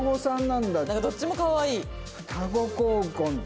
なんかどっちもかわいい。